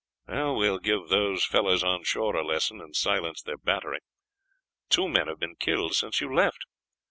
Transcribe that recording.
"We will give those fellows on shore a lesson, and silence their battery. Two men have been killed since you left.